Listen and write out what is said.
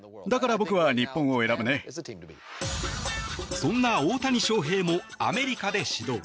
そんな大谷翔平もアメリカで始動。